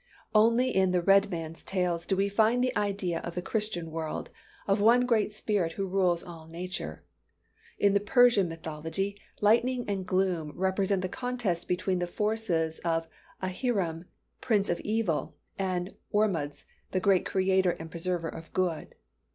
Only in the red man's tales do we find the idea of the Christian world, of one Great Spirit who rules all nature. In the Persian mythology, lightning and gloom represent the contest between the forces of Ahriman, prince of evil, and Ormuzd, the great creator and preserver of good.